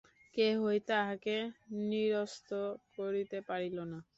কেহই তাঁহাকে নিরস্ত করিতে পারিল না।